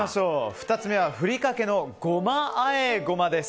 ２つ目は、ふりかけのごま和え胡麻です。